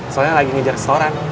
soalnya lagi ngejar restoran